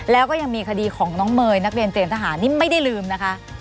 แล้วก็ยังมีคดีของน้องเมย์นักเรียนเตรียมทหารนี่ไม่ได้ลืมนะคะ